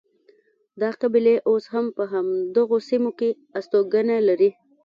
دا قبیلې اوس هم په همدغو سیمو کې هستوګنه لري.